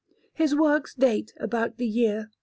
His works date about the year 1482.